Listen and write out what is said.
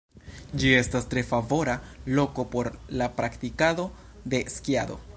Ĝi estas tre favora loko por la praktikado de skiado.